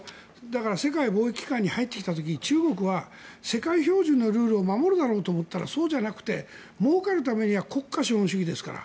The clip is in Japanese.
世界貿易機関に入ってきた時に中国は世界標準のルールを守るだろうと思ったらそうじゃなくてもうかるためには国家資本主義ですから。